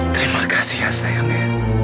terima kasih ya sayangnya